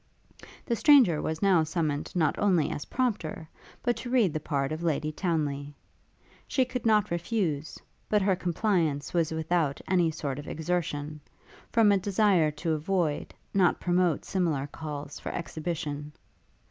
The stranger was now summoned not only as prompter, but to read the part of Lady Townly. She could not refuse, but her compliance was without any sort of exertion, from a desire to avoid, not promote similar calls for exhibition.